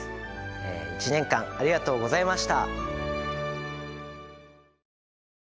１年間ありがとうございました。